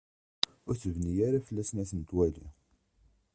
Ur tebni ara fell-asen ad ten-twali.